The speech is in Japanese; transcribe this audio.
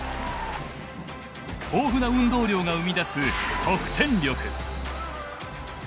豊富な運動量が生み出す得点力。